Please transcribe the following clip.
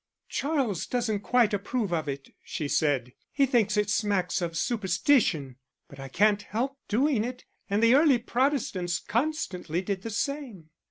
"Charles doesn't quite approve of it," she said; "he thinks it smacks of superstition. But I can't help doing it, and the early Protestants constantly did the same."